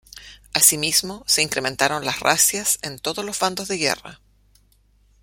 Asimismo, se incrementaron las razias en todos los bandos de guerra.